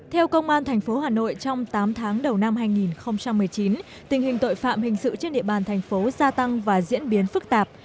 theo công an tp hà nội trong tám tháng đầu năm hai nghìn một mươi chín tình hình tội phạm hình sự trên địa bàn thành phố gia tăng và diễn biến phức tạp